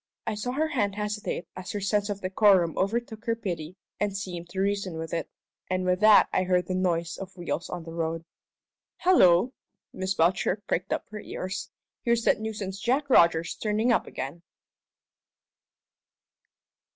I saw her hand hesitate as her sense of decorum overtook her pity and seemed to reason with it. And with that I heard the noise of wheels on the road. "Hallo!" Miss Belcher pricked up her ears. "Here's that nuisance Jack Rogers turning up again!"